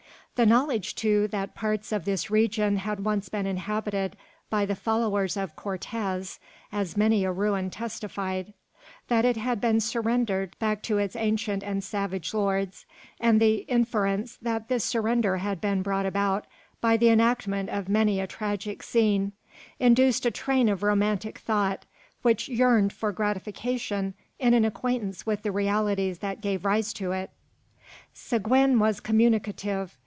The knowledge, too, that parts of this region had once been inhabited by the followers of Cortez, as many a ruin testified; that it had been surrendered back to its ancient and savage lords, and the inference that this surrender had been brought about by the enactment of many a tragic scene, induced a train of romantic thought, which yearned for gratification in an acquaintance with the realities that gave rise to it. Seguin was communicative.